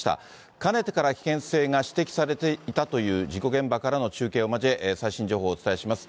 かねてから危険性が指摘されていたという事故現場からの中継を交え、最新情報をお伝えします。